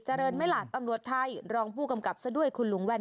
เจริญไม่หลัดตำรวจไทยรองผู้กำกับซะด้วยคุณลุงแว่น